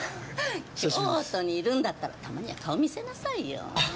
京都にいるんだったらたまには顔見せなさいよ。